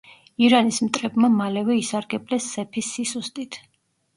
ირანის მტრებმა მალევე ისარგებლეს სეფის სისუსტით.